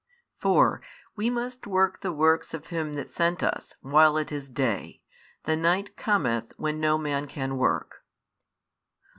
4 We must work the works of Him that sent us, while it is day: the night cometh, when no man can work.